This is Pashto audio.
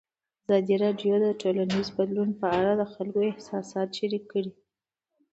ازادي راډیو د ټولنیز بدلون په اړه د خلکو احساسات شریک کړي.